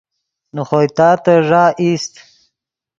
نے خوئے تاتن ݱا ایست